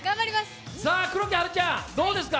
黒木華ちゃん、どうですか。